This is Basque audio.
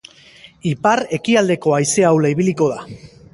Ipar-ekialdeko haize ahula ibiliko da.